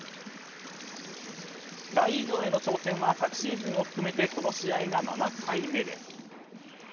大偉業ヘの挑戦は昨シーズンを含めてこの試合が７回目です。